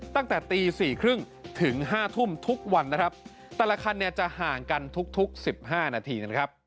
ตั้งแต่ตี๔๓๐ถึง๕๐๐ทุ่มทุกวันแต่ละคันจะห่างกันทุก๑๕นาที